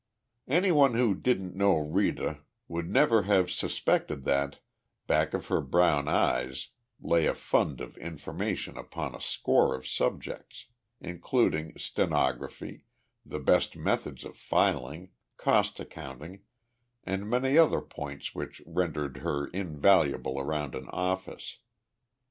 Anyone who didn't know Rita would never have suspected that, back of her brown eyes lay a fund of information upon a score of subjects including stenography, the best methods of filing, cost accounting, and many other points which rendered her invaluable around an office.